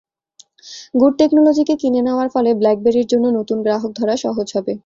Good টেকনোলজিকে কিনে নেওয়ার ফলে ব্ল্যাকবেরির জন্য নতুন গ্রাহক ধরা সহজ হবে।